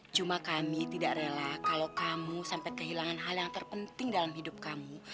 cuma kami tidak rela kalau kamu sampai kehilangan hal yang terpenting dalam hidup kamu